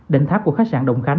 đỉnh tháp của khách sạn đồng khánh